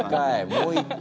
もう一回！